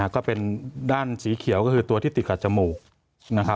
ก็เป็นด้านสีเขียวก็คือตัวที่ติดกับจมูกนะครับ